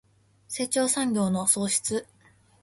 成長産業の創出